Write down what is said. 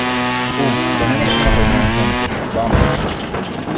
Uh , tenemos una reunión , gente . Vamos .